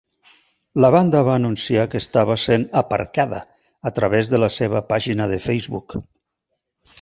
La banda va anunciar que estava essent "aparcada" a través de la seva pàgina de Facebook.